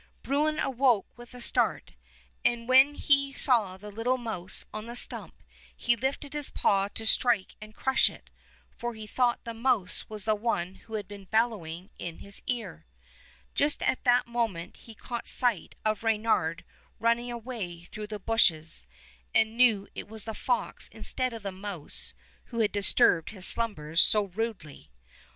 Bruin awoke with a start, and when he saw the little mouse on the stump he lifted his paw to strike and crush it, for he thought the mouse was the one who had been bellow ing into his ear. Just at that moment he caught sight of Reynard running away through the bushes, 98 Fairy Tale Bears and knew it was the fox instead of the mouse who had disturbed his slumbers so rudely.